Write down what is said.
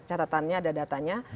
ada catatannya ada datanya